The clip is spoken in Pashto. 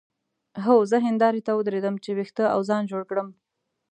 هو زه هندارې ته ودرېدم چې وېښته او ځان جوړ کړم.